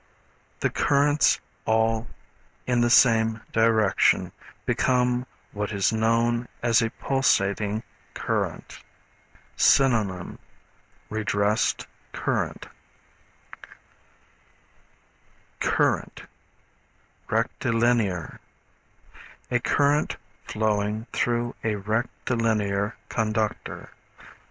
The currents all in the same direction, become what is known as a pulsating current. Synonym Redressed Current. 165 STANDARD ELECTRICAL DICTIONARY. Current, Rectilinear. A current flowing through a rectilinear conductor.